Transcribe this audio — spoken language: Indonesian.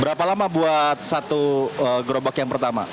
berapa lama buat satu gerobak yang pertama